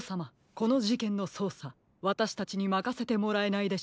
このじけんのそうさわたしたちにまかせてもらえないでしょうか？